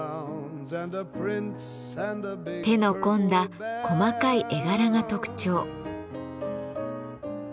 手の込んだ細かい絵柄が特徴。